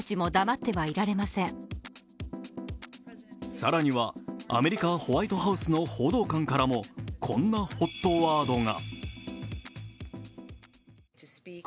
更には、アメリカ・ホワイトハウスの報道官からもこんなＨＯＴワードが。